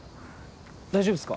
大丈夫っすか？